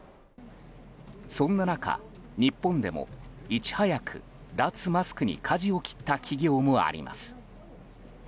そんな中、日本でもいち早く脱マスクにかじを切った企業もあります。